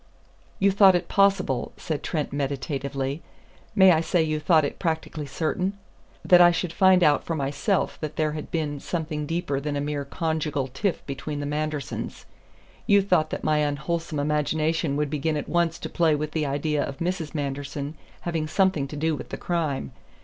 "You thought it possible," said Trent meditatively, "may I say you thought it practically certain? that I should find out for myself that there had been something deeper than a mere conjugal tiff between the Mandersons. You thought that my unwholesome imagination would begin at once to play with the idea of Mrs. Manderson having something to do with the crime.